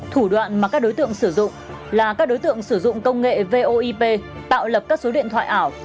thủ đoạn mà các đối tượng sử dụng là các đối tượng sử dụng công nghệ voip tạo lập các số điện thoại ảo